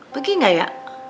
pergi nggak ya